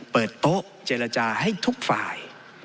เปิดโต๊ะเจรจาให้ทุกฝ่าย